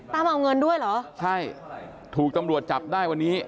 เอาเงินด้วยเหรอใช่ถูกตำรวจจับได้วันนี้